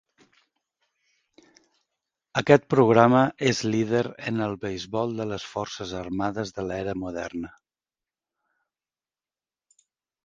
Aquest programa és líder en el beisbol de les forces armades de l'era moderna.